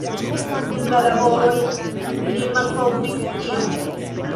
Dum la laboroj li malkovris ion.